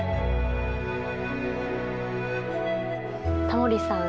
タモリさん